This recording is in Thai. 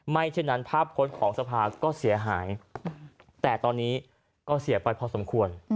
เช่นนั้นภาพพ้นของสภาก็เสียหายแต่ตอนนี้ก็เสียไปพอสมควร